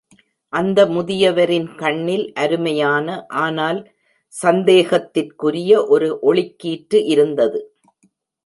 அந்த முதியவரின் கண்ணில் அருமையான ஆனால் சந்தேகத்திற்குரிய ஒரு ஒளிக்கீற்று இருந்தது.